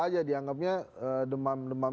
aja dianggapnya demam demam